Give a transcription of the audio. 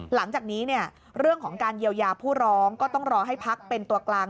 หลังจากนี้เนี่ยเรื่องของการเยียวยาผู้ร้องก็ต้องรอให้พักเป็นตัวกลาง